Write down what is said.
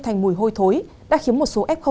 thành mùi hôi thối đã khiếm một số f